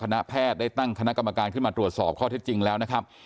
คณะแพทย์ได้ตั้งคณะกรรมการขึ้นมาตรวจสอบข้อเท็จจริงแล้วนะครับ